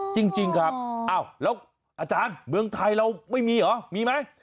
จริงครับอ้าวแล้วอาจารย์เมืองไทยเราไม่มีเหรอมีไหม